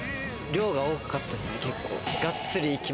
量が多かったですね、結構。